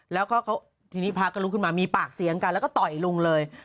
แล้วก็ทีนี้พระก็ลุกขึ้นมามีปากเสียงกันแล้วก็ต่อยลุงเลย